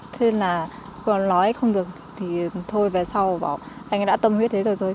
thế nên là còn nói không được thì thôi về sau bảo anh ấy đã tâm huyết thế rồi thôi